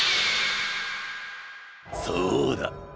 そうだ。